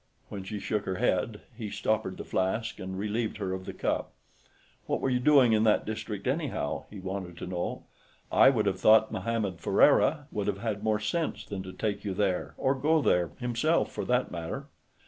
When she shook her head, he stoppered the flask and relieved her of the cup. "What were you doing in that district, anyhow?" he wanted to know. "I'd have thought Mohammed Ferriera would have had more sense than to take you there, or go there, himself, for that matter."